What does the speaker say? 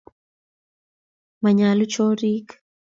Manyaluu chorik